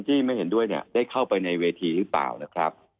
ที่ไม่เห็นด้วยได้เข้าไปในเวทีคือเปล่านะครับ